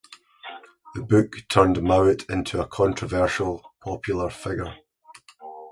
The book turned Mowat into a controversial, popular figure.